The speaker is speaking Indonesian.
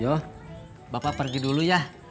ya bapak pergi dulu ya